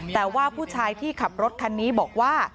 แต่ว่าผู้ชายที่ขับรถคันนี้บอกว่า